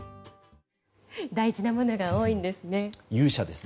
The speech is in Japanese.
大事なものが多いんですね。